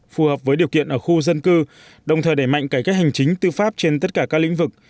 phù hợp với điều kiện ở khu dân cư đồng thời đẩy mạnh cải cách hành chính tư pháp trên tất cả các lĩnh vực